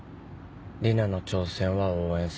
里奈の挑戦は応援する。